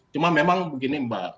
cuma memang begini mbak